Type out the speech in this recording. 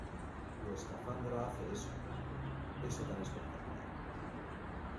Tu escafandra hace eso... Eso tan espectacular .